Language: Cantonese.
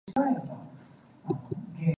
不念舊惡